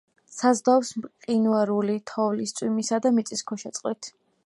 საზრდოობს მყინვარული, თოვლის, წვიმისა და მიწისქვეშა წყლით.